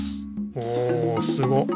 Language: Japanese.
おおすごっ！